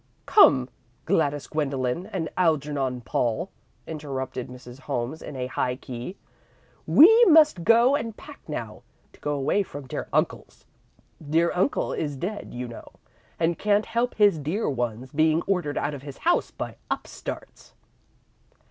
"Come, Gladys Gwendolen and Algernon Paul," interrupted Mrs. Holmes, in a high key; "we must go and pack now, to go away from dear uncle's. Dear uncle is dead, you know, and can't help his dear ones being ordered out of his house by upstarts."